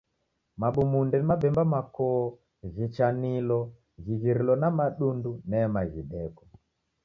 Mabumunde ni mabemba makoo ghichanilo ghirighilo na madundu nema ghideko.